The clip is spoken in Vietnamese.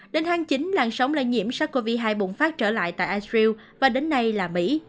đến tháng chín làn sóng lây nhiễm sars cov hai bùng phát trở lại tại ital và đến nay là mỹ